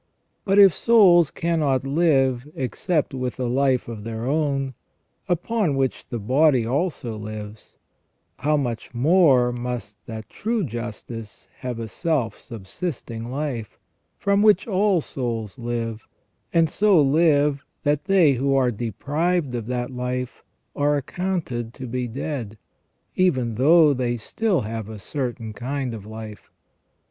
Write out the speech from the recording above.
But if souls cannot live except with a life of their own, upon which the body also lives, how much more must that true justice have a self subsisting life, from which all souls live, and so live that they who are deprived of that life are accounted to be dead, even though they still have a certain kind of life.